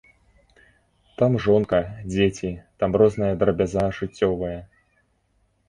Там жонка, дзеці, там розная драбяза жыццёвая.